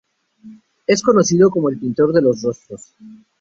Es conocido como "el pintor de los rostros".